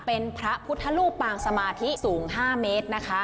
เป็นพระพุทธรูปปางสมาธิสูง๕เมตรนะคะ